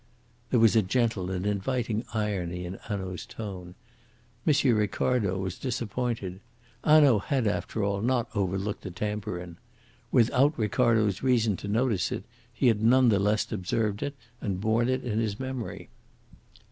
There was a gentle and inviting irony in Hanaud's tone. M. Ricardo was disappointed. Hanaud had after all not overlooked the tambourine. Without Ricardo's reason to notice it, he had none the less observed it and borne it in his memory.